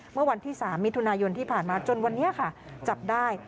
เมื่อวันที่๓มิถุนายนที่ผ่านมาจนวันนี้ค่ะจับได้